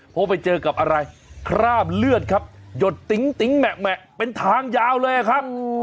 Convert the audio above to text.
พบไปเจอกับอะไรคราบเลือดครับหยดติ๋งติ๋งแหมะแหมะเป็นทางยาวเลยอะครับ